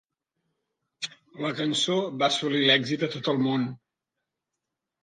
La cançó va assolir l'èxit a tot el món.